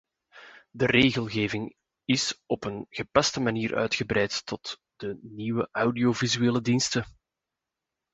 De regelgeving is op een gepaste manier uitgebreid tot de nieuwe audiovisuele diensten.